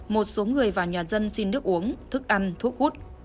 một số người vào nhà dân xin nước uống thức ăn thuốc hút